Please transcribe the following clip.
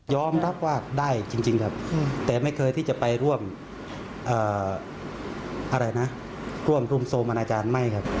รับว่าได้จริงครับแต่ไม่เคยที่จะไปร่วมอะไรนะร่วมรุมโทรมอนาจารย์ไม่ครับ